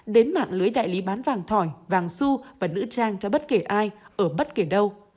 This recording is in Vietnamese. đến mạng lưới đại lý bán vàng thỏi vàng su và nữ trang cho bất kể ai ở bất kỳ đâu